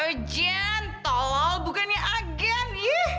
urgen tolol bukannya agen